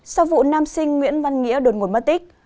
sau vụ nam sinh nguyễn văn nghĩa đột ngột mất tích